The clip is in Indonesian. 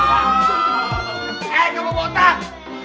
eh kamu botak